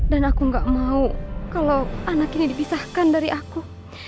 dan aku gak mau kalau anak ini dipisahkan dari aku